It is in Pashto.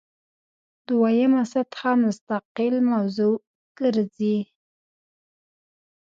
دویمه سطح مستقل موضوع ګرځي.